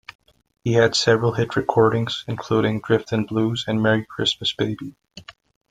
He had several hit recordings, including "Driftin' Blues" and "Merry Christmas Baby".